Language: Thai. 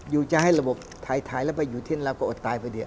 อยู่จ้าให้ระบบไทยแล้วไปอยู่ที่นี่เราอดตายไปเดียว